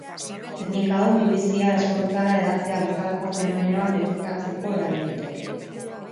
Teknika hau minbizia hezurretara hedatzea bezalako fenomenoak detektatzeko erabil daiteke.